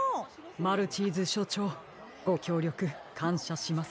マルチーズしょちょうごきょうりょくかんしゃします。